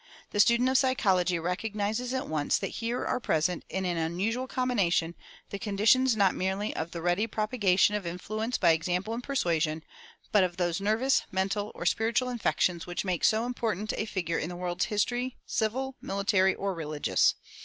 The student of psychology recognizes at once that here are present in an unusual combination the conditions not merely of the ready propagation of influence by example and persuasion, but of those nervous, mental, or spiritual infections which make so important a figure in the world's history, civil, military, or religious.